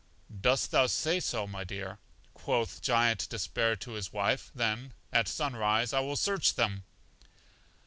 Dost thou say so, my dear? quoth Giant Despair to his wife; then at sun rise I will search them.